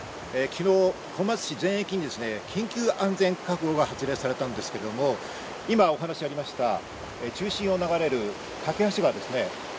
昨日、小松市全域に緊急安全確保が発令されたんですけれども、今お話がありました、中心を流れる梯川ですね。